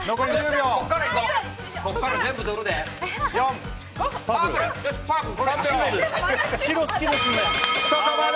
ここから全部、とるで。